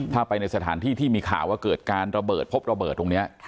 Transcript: ถ้าไปในสถานที่ที่มีข่าวว่าเกิดการระเบิดพบระเบิดตรงนี้